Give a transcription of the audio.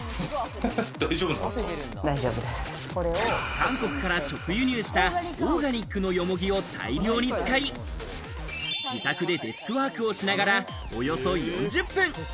韓国から直輸入したオーガニックのヨモギを大量に使い、自宅でデスクワークをしながらおよそ４０分。